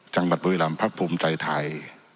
จังหมารดบุยรรมพระภูมิใจไทย